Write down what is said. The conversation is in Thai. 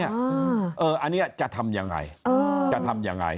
อันนี้จะทำอย่างไร